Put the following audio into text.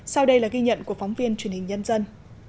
sau đây là ghi nhận của phóng viên truyền hình nhân dân